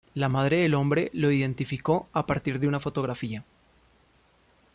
La madre del hombre lo identificó a partir de una fotografía.